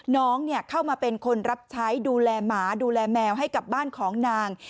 น้องเข้ามาเป็นคนรับใช้ดูแลหมาดูแลแมวให้กับบ้านของนาง